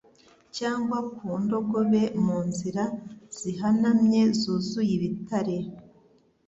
cyangwa ku ndogobe mu nzira zihanamye zuzuye ibitare